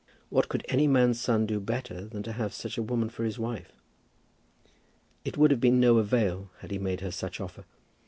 What could any man's son do better than have such a woman for his wife? It would have been of no avail had he made her such offer.